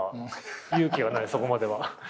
勇気はないそこまでは。